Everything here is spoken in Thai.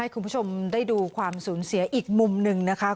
คุณผู้ชมได้ดูความสูญเสียอีกมุมหนึ่งนะคะ